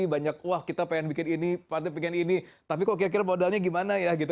banyak wah kita pengen bikin ini partai pengen ini tapi kok kira kira modalnya gimana ya gitu